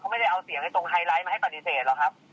ไม่ได้เอาเสียงตรงไฮไลท์มาให้ปฏิเสธหรอกครับ